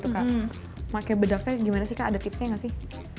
pakai bedaknya gimana sih ada tipsnya nggak sih